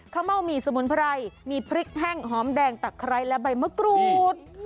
เม่าหมี่สมุนไพรมีพริกแห้งหอมแดงตะไคร้และใบมะกรูด